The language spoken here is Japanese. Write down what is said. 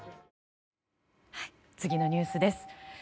次のニュースです。